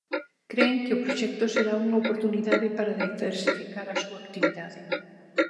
Cren que o proxecto será unha oportunidade para diversificar a súa actividade.